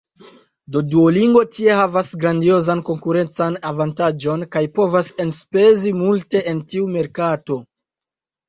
Do Duolingo tie havas grandiozan konkurencan avantaĝon kaj povas enspezi multe en tiu merkato.